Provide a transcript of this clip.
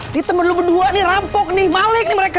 ini temen lu berdua nih rampok nih malik nih mereka